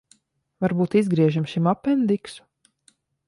Varbūt izgriežam šim apendiksu?